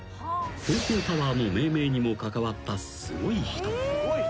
［東京タワーの命名にも関わったすごい人］